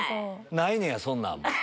ないねやそんなんも。